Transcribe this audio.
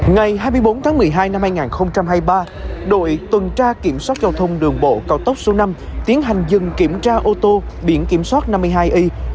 ngày hai mươi bốn tháng một mươi hai năm hai nghìn hai mươi ba đội tuần tra kiểm soát giao thông đường bộ cao tốc số năm tiến hành dừng kiểm tra ô tô biển kiểm soát năm mươi hai i bảy nghìn ba trăm hai mươi bảy